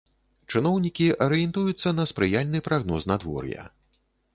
Чыноўнікі арыентуюцца на спрыяльны прагноз надвор'я.